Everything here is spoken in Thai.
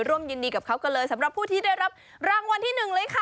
ร่วมยินดีกับเขากันเลยสำหรับผู้ที่ได้รับรางวัลที่๑เลยค่ะ